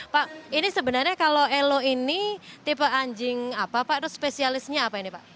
pak ini sebenarnya kalau elo ini tipe anjing apa pak itu spesialisnya apa ini pak